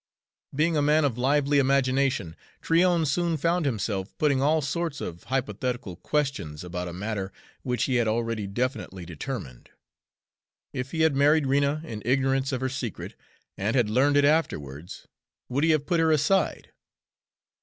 Being a man of lively imagination, Tryon soon found himself putting all sorts of hypothetical questions about a matter which he had already definitely determined. If he had married Rena in ignorance of her secret, and had learned it afterwards, would he have put her aside?